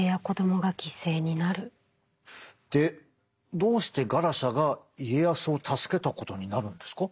でどうしてガラシャが家康を助けたことになるんですか？